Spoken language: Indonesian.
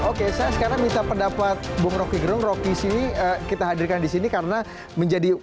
hai oke saya sekarang kita pendapat bumroki gron ropi sini kita hadirkan disini karena menjadi